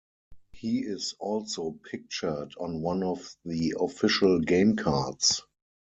He is also pictured on one of the official game cards.